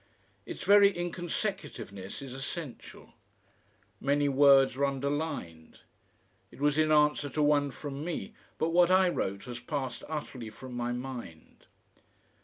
Its very inconsecutiveness is essential. Many words are underlined. It was in answer to one from me; but what I wrote has passed utterly from my mind....